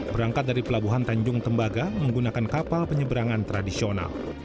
berangkat dari pelabuhan tanjung tembaga menggunakan kapal penyeberangan tradisional